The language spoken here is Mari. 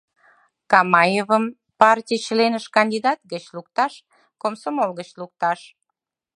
Камаевым партий членыш кандидат гыч лукташ, комсомол гыч лукташ.